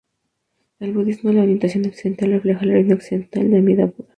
En el budismo, la orientación occidental refleja el reino occidental de Amida Buda.